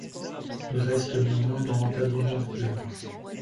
Il reste néanmoins dans l'encadrement du club.